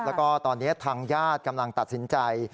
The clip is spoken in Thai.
แล้วก็ตอนนี้ทางญาติกำลังตัดสินใจ